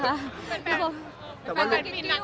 มันเป็นปัญหาจัดการอะไรครับ